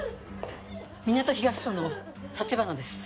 港東署の橘です。